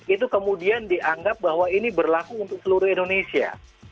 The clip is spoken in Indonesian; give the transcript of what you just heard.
itu kemudian dianggap bahwa ini berlaku untuk seluruh indonesia